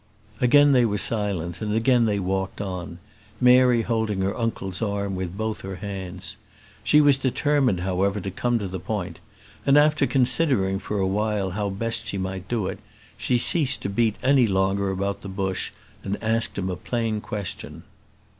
Again they were silent, and again they walked on, Mary holding her uncle's arm with both her hands. She was determined, however, to come to the point, and after considering for a while how best she might do it, she ceased to beat any longer about the bush, and asked him a plain question.